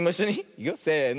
いくよせの。